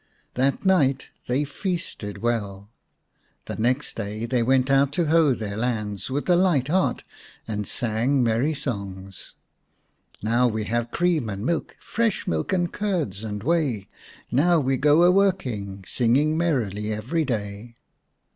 That night they feasted well. The next day they went out to hoe their lands with a light heart, and sang merry songs :" Now we have creain and milk, Fresh milk, and curds and whey ; Now we go a working Singing merrily every day."